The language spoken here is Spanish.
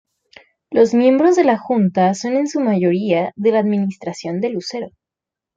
Los miembros de la Junta son en su mayoría de la administración de Lucero.